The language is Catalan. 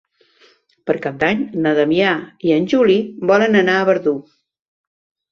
Per Cap d'Any na Damià i en Juli volen anar a Verdú.